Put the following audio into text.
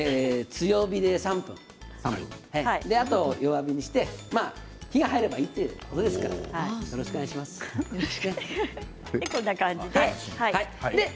強火で３分あとで弱火にして火が入ればいいというぐらいな感じですね。